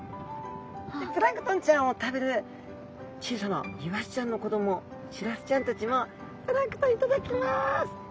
でプランクトンちゃんを食べる小さなイワシちゃんの子供シラスちゃんたちも「プランクトン頂きます」。